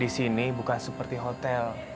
disini bukan seperti hotel